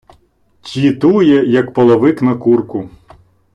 Чїтує, як половик на курку.